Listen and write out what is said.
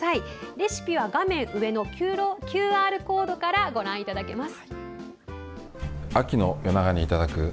レシピは画面上のＱＲコードからご覧いただけます。